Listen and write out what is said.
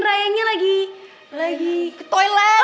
rayanya lagi ke toilet